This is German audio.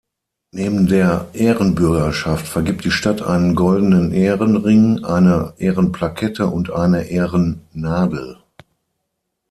Neben der Ehrenbürgerschaft vergibt die Stadt einen Goldenen Ehrenring, eine Ehrenplakette und eine Ehrennadel.